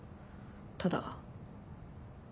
ただ。